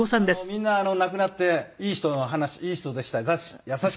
みんな亡くなっていい人の話いい人でした優しかったと。